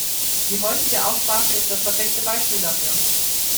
Die heutige Aussprache ist das perfekte Beispiel dafür.